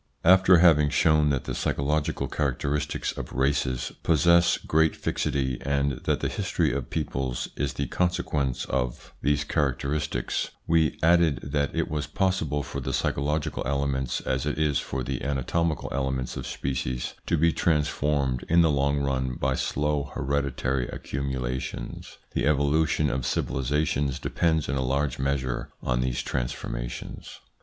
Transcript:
AFTER having shown that the psychological characteristics of races possess great fixity, and that the history of peoples is the consequence of 167 168 THE PSYCHOLOGY OF PEOPLES: these characteristics, we added that it was possible for the psychological elements, as it is for the anatomical elements of species, to be transformed in the long run by slow hereditary accumulations. The evolution of civilisations depends in a large measure on these transformations.